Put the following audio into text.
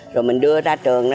rồi mình đưa ra trường